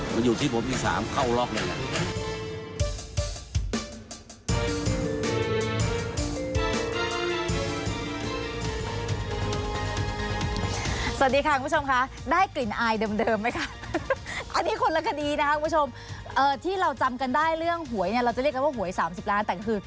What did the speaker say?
สนุนโดยสายการบินไทยนครหัวท้องเสียขับลมแน่นท้องเสียขับลมแน่นท้องเสียขับลมแน่นท้องเสีย